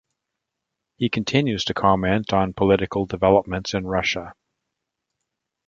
He continues to comment on political developments in Russia.